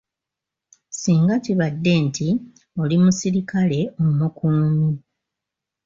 Singa kibadde nti oli muserikale omukuumi.